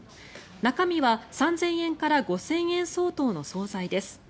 中身は３０００円から５０００円相当の総菜です。